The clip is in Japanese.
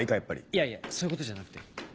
いやいやそういうことじゃなくて。